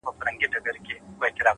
هره ورځ د نوې نسخې په شان ده؛